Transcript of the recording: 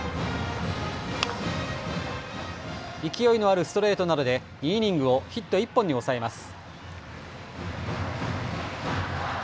勢いのあるストレートなどで２イニングをヒット１本に抑えます。